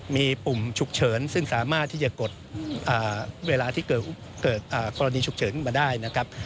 มีปุ่มฉุกเฉินซึ่งสามารถที่จะกดเวลาที่เกิดกรณีฉุกเฉินมาได้นะครับ